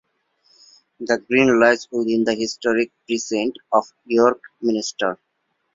The green lies within the historic precinct of York Minster.